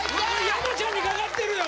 山ちゃんにかかってるよ